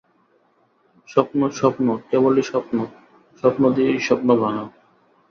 স্বপ্ন, স্বপ্ন, কেবলই স্বপ্ন! স্বপ্ন দিয়েই স্বপ্ন ভাঙ।